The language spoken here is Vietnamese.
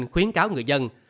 khuyến cáo người dân